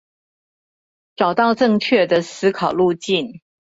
找到正確的思考路徑